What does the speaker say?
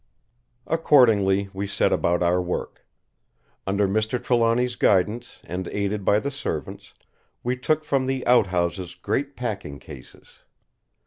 Accordingly we set about our work. Under Mr. Trelawny's guidance, and aided by the servants, we took from the outhouses great packing cases.